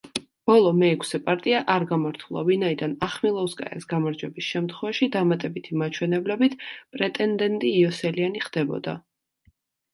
ბოლო მეექვსე პარტია არ გამართულა, ვინაიდან ახმილოვსკაიას გამარჯვების შემთხვევაში დამატებითი მაჩვენებლებით პრეტენდენტი იოსელიანი ხდებოდა.